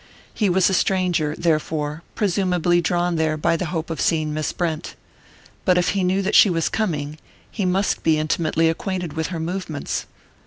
He was a stranger, therefore, presumably drawn there by the hope of seeing Miss Brent. But if he knew that she was coming he must be intimately acquainted with her movements....